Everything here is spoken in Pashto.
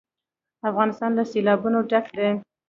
افغانستان له سیلابونه ډک دی.